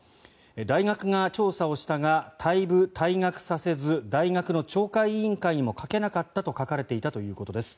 大学が調査をしたが退部、退学させず大学の懲戒委員会にもかけなかったということです。